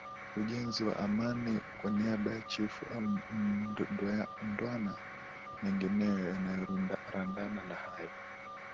ujenzi wa amani kwa niaba ya Chifu au Mndewana mengineyo yanayorandana na hayo